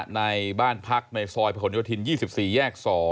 ในบ้านพักในซอยภัยขนยศิลป์๒๔แยก๒